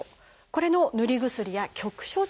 これの塗り薬や局所注射。